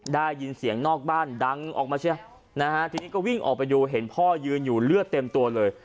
ได้ยินเสียงนอกบ้านดังออกมาเชียนะฮะทีนี้ก็วิ่งออกไปดูเห็นพ่อยืนอยู่เลือดเต็มตัวเลย